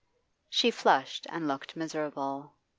She flushed and looked miserable.